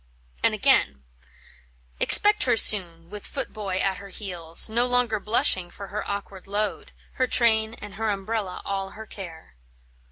And again: "Expect her soon, with footboy at her heels, No longer blushing for her awkward load, Her train and her umbrella all her care."